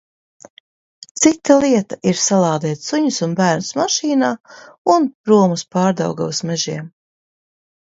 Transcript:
Cita lieta ir salādēt suņus un bērnus mašīnā un prom un uz Pārdaugavas mežiem.